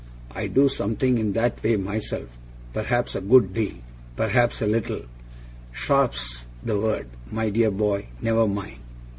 I do something in that way myself perhaps a good deal perhaps a little sharp's the word, my dear boy never mind!